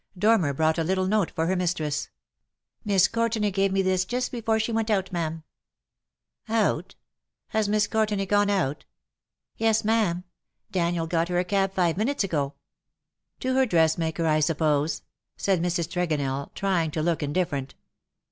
Dormer brought a little note for her mistress. " Miss Courtenay gave me this just before she went out; ma'am.^^ *^ Out ! Has Miss Courtenay gone out T' '^ Yes, ma'am ; Daniel got her a cab five minutes ago." ^^ To her dressmaker, I suppose/' said Mrs. Tre gonell, trying to look indifferent.